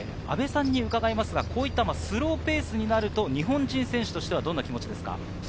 こういったスローペースになると日本人選手としては、どんな気持ちですか？